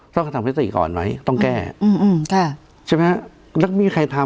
ต้องกระทำพฤติก่อนไหมต้องแก้อืมค่ะใช่ไหมแล้วมีใครทำ